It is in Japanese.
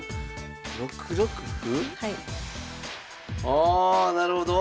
あなるほど？